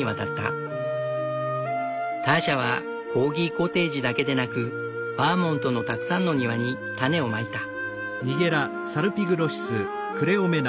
ターシャはコーギコテージだけでなくバーモントのたくさんの庭に種をまいた。